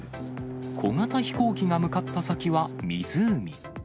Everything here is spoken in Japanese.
小型飛行機が向かった先は湖。